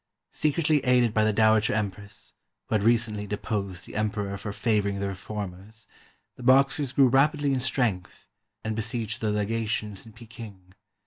Secretly aided by the Dowager Empress, who had recently deposed the Emperor for favoring the reformers, the Boxers grew rapidly in strength and besieged the legations in Peking.